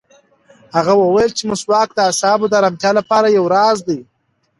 هغه وویل چې مسواک د اعصابو د ارامتیا لپاره یو راز دی.